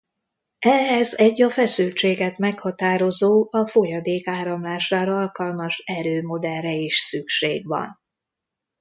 Ehhez egy a feszültséget meghatározó a folyadék áramlására alkalmas erő-modellre is szükség van.